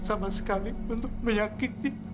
sama sekali untuk menyakiti